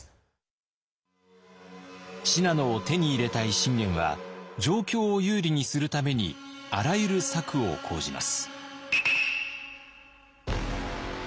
信濃を手に入れたい信玄は状況を有利にするためにあらゆる策を講じます。